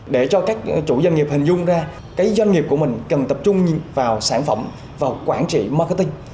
để cho các chủ doanh nghiệp hình dung ra cái doanh nghiệp của mình cần tập trung vào sản phẩm vào quản trị marketing